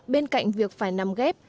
bên cạnh việc phải nằm ghép